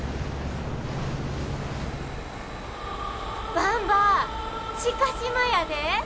ばんば知嘉島やで！